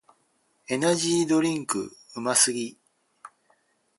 エナジードリンクうますぎ